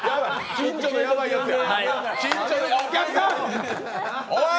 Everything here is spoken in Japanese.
近所のヤバいやつや。